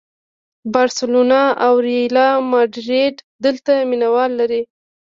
بارسلونا او ریال ماډریډ دلته مینه وال لري.